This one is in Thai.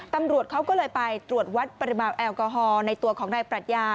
ตำรวจเขาก็เลยไปตรวจวัดปริมาณแอลกอฮอล์ในตัวของนายปรัชญา